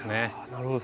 なるほど。